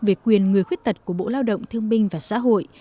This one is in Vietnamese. về quyền người khuyết tật của bộ lao động thương binh và xã hội